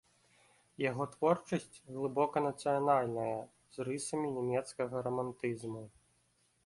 Яго творчасць глыбока нацыянальная, з рысамі нямецкага рамантызму.